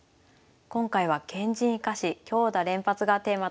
今回は「堅陣生かし強打連発」がテーマとなります。